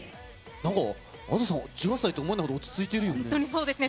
なんか、Ａｄｏさん、１８歳と思えないほど、落ち着いているよね。